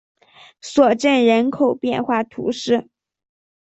索镇人口变化图示